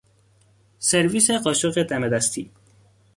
سرویس قاشق دم دستی